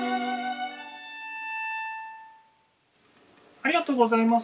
ありがとうございます。